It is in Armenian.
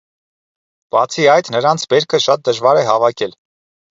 Բացի այդ, նրանց բերքը շատ դժվար է հավաքել։